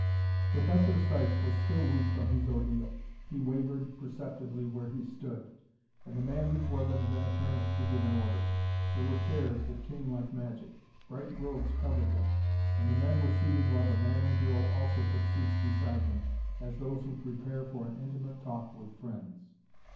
Professor Sykes was still weak from his ordeal; he wavered perceptibly where he stood, and the man before them them turned to give an order. There were chairs that came like magic; bright robes covered them; and the men were seated while the man and girl also took seats beside them as those who prepare for an intimate talk with friends.